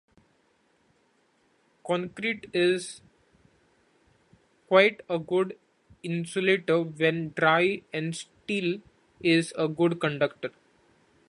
Concrete is quite a good insulator when dry and steel is a good conductor.